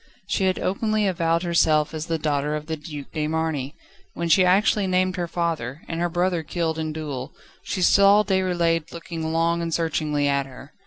She had openly avowed herself as the daughter of the Duc de Marny. When she actually named her father, and her brother killed in duel, she saw Déroulède looking long and searchingly at her.